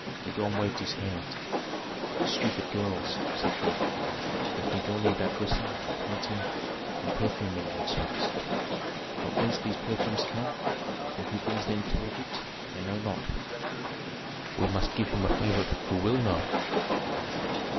Dagon waved his hand. "Stupid girls!" said he. "They think only about dressing, painting, and perfuming themselves; but whence these perfumes come, and who brings them to Egypt, they know not." "We must give him a favorite who will know."